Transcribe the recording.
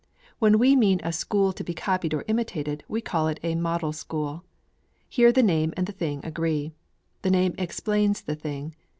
When we mean a school to be copied or imitated, we call it a Model School. Here the name and the thing agree. The name explains the thing.